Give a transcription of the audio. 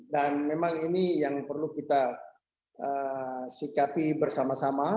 dan memang ini yang perlu kita sikapi bersama sama